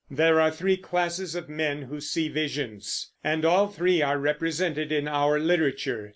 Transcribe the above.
There are three classes of men who see visions, and all three are represented in our literature.